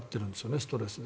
ストレスで。